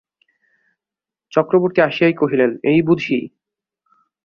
চক্রবর্তী আসিয়াই কহিলেন, এই বুঝি!